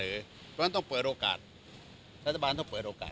เพราะฉะนั้นต้องเปิดโอกาสรัฐบาลต้องเปิดโอกาส